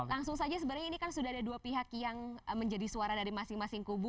langsung saja sebenarnya ini kan sudah ada dua pihak yang menjadi suara dari masing masing kubu